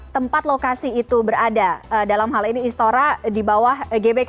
tempat lokasi itu berada dalam hal ini istora di bawah gbk